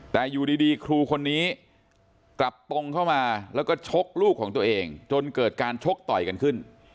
แต่อยู่ดีครูคนนี้กลับตรงเข้ามาแล้วก็ชกลูกของตัวเองจนเกิดการชกต่อยกันขึ้น